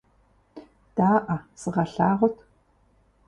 Даӏэ, сыгъэлъагъут!